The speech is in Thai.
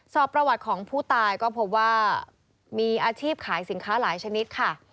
สอบประวัติของผู้ตายก็พบว่ามีอาชีพขายสินค้าหลายชนิดค่ะ